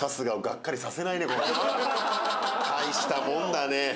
これは大したもんだね